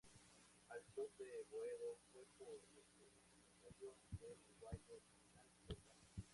Al club de Boedo fue por recomendación del uruguayo Hernán Sosa.